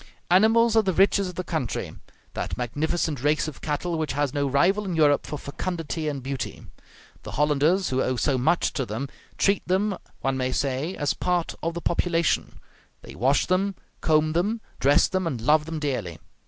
Animals are the riches of the country; that magnificent race of cattle which has no rival in Europe for fecundity and beauty. The Hollanders, who owe so much to them, treat them, one may say, as part of the population; they wash them, comb them, dress them, and love them dearly.